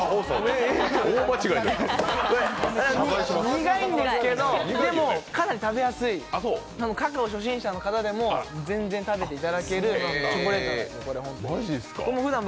苦いんですけどかなり食べやすい、カカオ初心者の方でも全然食べていただけるチョコレートなんで。